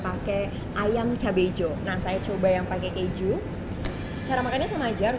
pakai ayam cabaijo nah saya coba yang pakai keju cara makannya sama aja harus